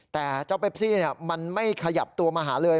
แต่เจ้าเปปซี่มันไม่ขยับตัวมาหาเลย